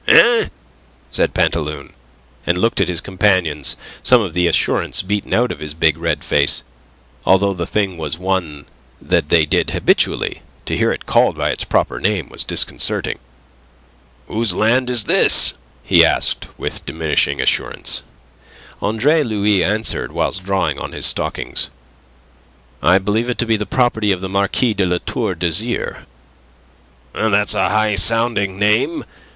"Eh?" said Pantaloon, and looked at his companions, some of the assurance beaten out of his big red face. Although the thing was one that they did habitually, to hear it called by its proper name was disconcerting. "Whose land is this?" he asked, with diminishing assurance. Andre Louis answered, whilst drawing on his stockings. "I believe it to be the property of the Marquis de La Tour d'Azyr." "That's a high sounding name.